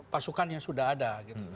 pasukan yang sudah ada